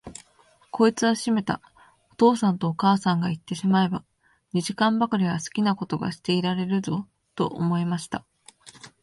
こいつはしめた、お父さんとお母さんがいってしまえば、二時間ばかりは好きなことがしていられるぞ、と思いました。